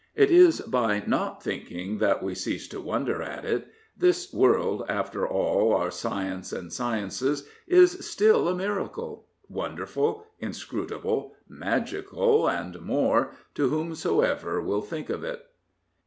It is by not thinking that we cease to wonder at it. ... This world, after all our science and sciences, is still a miracle; wonderful, inscrutable, magical and more, to whomsoever will think of it."